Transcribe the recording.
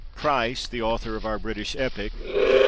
Price, the author of our British epic.